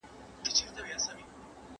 ¬ په رنگ ښايسته، په عمل خواره خسته.